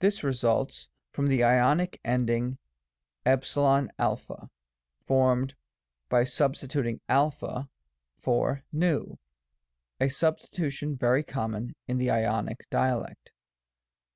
This results from the Ionic ending say formed by substituting a for v, a substitution very common in the Ionic dialect.